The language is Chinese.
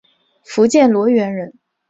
福建罗源人。